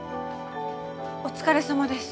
お疲れさまです。